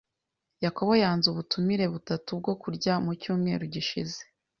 Yakobo yanze ubutumire butatu bwo kurya mu cyumweru gishize.